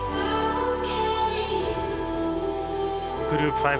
グループ５